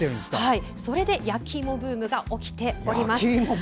それで焼きいもブームが起きております。